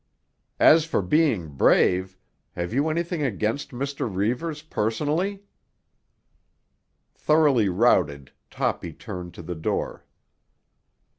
As for being brave—have you anything against Mr. Reivers personally?" Thoroughly routed, Toppy turned to the door.